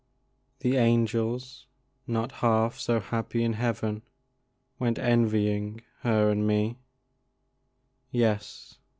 The angels, not half so happy in heaven, Went envying her and me Yes!